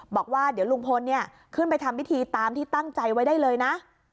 บอกว่าเดี๋ยวลุงพลขึ้นไปทำพิธีตามที่ตั้งใจไว้ได้เลยนะ